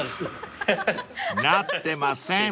［なってません］